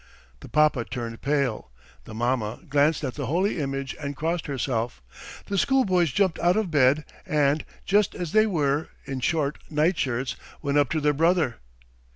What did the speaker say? The papa turned pale. The mamma glanced at the holy image and crossed herself. The schoolboys jumped out of bed and, just as they were, in short nightshirts, went up to their brother.